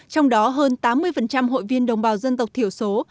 trong đó hơn tám mươi hội viên đồng bào dân tộc thiểu số